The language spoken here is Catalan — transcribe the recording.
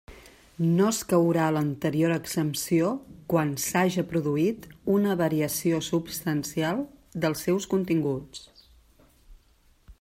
No escaurà l'anterior exempció quan s'haja produït una variació substancial dels seus continguts.